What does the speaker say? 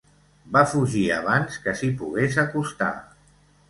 Va fugir abans que s'hi pogués acostar.